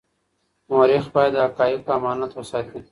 مورخ باید د حقایقو امانت وساتي.